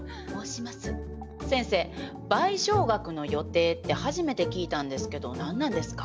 先生賠償額の予定って初めて聞いたんですけど何なんですか？